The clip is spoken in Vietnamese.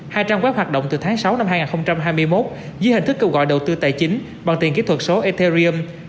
hai trang web hoạt động từ tháng sáu năm hai nghìn hai mươi